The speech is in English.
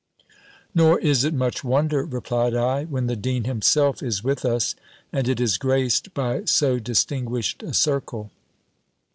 "Nor is it much wonder," replied I, "when the dean himself is with us, and it is graced by so distinguished a circle."